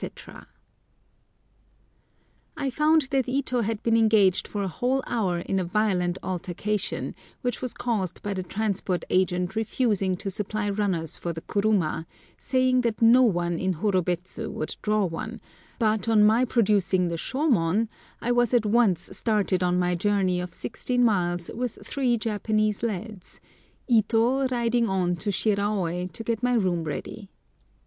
[Picture: Aino Lodges (from a Japanese Sketch)] I found that Ito had been engaged for a whole hour in a violent altercation, which was caused by the Transport Agent refusing to supply runners for the kuruma, saying that no one in Horobets would draw one, but on my producing the shomon I was at once started on my journey of sixteen miles with three Japanese lads, Ito riding on to Shiraôi to get my room ready.